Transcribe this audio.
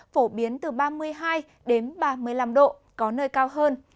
phổ biến từ ba mươi hai ba mươi năm độ có nơi cao hơn